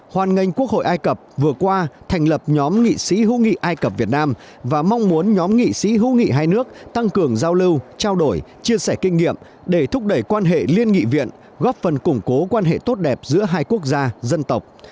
hoàn ngành quốc hội ai cập vừa qua thành lập nhóm nghị sĩ hữu nghị ai cập việt nam và mong muốn nhóm nghị sĩ hữu nghị hai nước tăng cường giao lưu trao đổi chia sẻ kinh nghiệm để thúc đẩy quan hệ liên nghị viện góp phần củng cố quan hệ tốt đẹp giữa hai quốc gia dân tộc